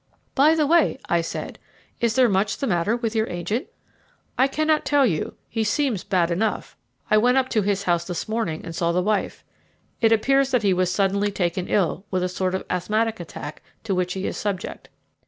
"By the way," I said, "is there much the matter with your agent?" "I cannot tell you; he seems bad enough. I went up to his house this morning and saw the wife. It appears that he was suddenly taken ill with a sort of asthmatic attack to which he is subject.